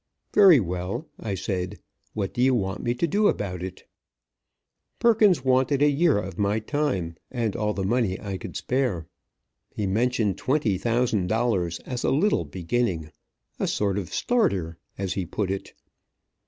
"Very well," I said, "what do you want me to do about it?" Perkins wanted a year of my time, and all the money I could spare. He mentioned twenty thousand dollars as a little beginning a sort of starter, as he put it.